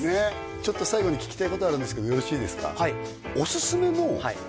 ちょっと最後に聞きたいことあるんですけどよろしいですか？